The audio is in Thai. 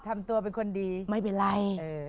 ทำตัวเป็นคนดีไม่เป็นไร